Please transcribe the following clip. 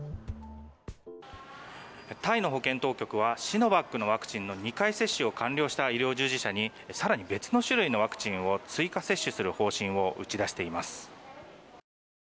タイの保健当局はシノバックのワクチンの２回接種を完了した医療従事者に更に別の種類のワクチンを追加接種する方針を打ち出しています。